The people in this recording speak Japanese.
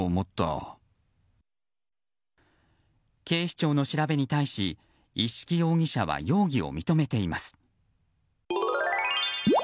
警視庁の調べに対し一色容疑者は容疑を認めています。